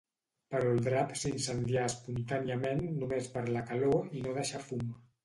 Però el drap s'incendià espontàniament només per la calor i no deixà fum.